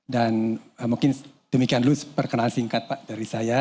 dan mungkin demikian dulu perkenalan singkat dari saya